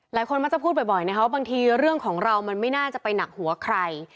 หลายคนมักจะพูดบ่อยนะครับว่าบางทีเรื่องของเรามันไม่น่าจะไปหนักหัวใคร